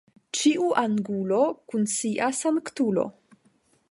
Ĉiu angulo kun sia sanktulo.